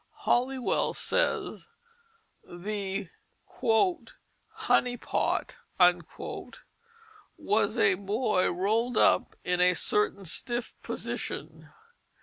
Halliwell says the "honey pot" was a boy rolled up in a certain stiff position.